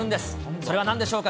それはなんでしょうか？